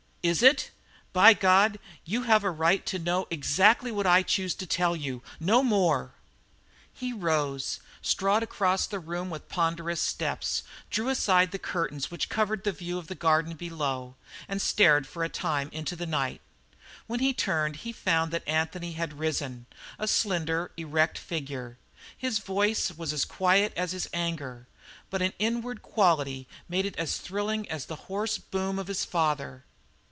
"Is it? By God, you have a right to know exactly what I choose to tell you no more!" He rose, strode across the room with ponderous steps, drew aside the curtains which covered the view of the garden below, and stared for a time into the night. When he turned he found that Anthony had risen a slender, erect figure. His voice was as quiet as his anger, but an inward quality made it as thrilling as the hoarse boom of his father.